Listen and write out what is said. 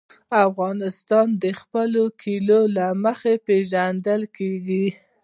افغانستان د خپلو کلیو له مخې پېژندل کېږي.